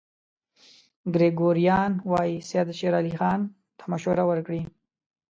ګریګوریان وايي سید شېر علي خان ته مشورې ورکړې.